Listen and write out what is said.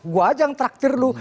gue aja yang terakhir lu